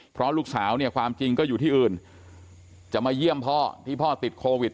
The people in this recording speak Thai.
เพราะลูกสาวเนี่ยความจริงก็อยู่ที่อื่นจะมาเยี่ยมพ่อที่พ่อติดโควิด